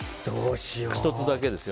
１つだけですよ。